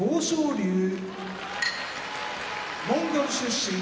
龍モンゴル出身